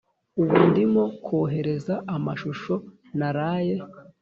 ubu ndimo kohereza amashusho naraye.